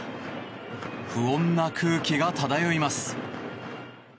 不穏な空気が漂います。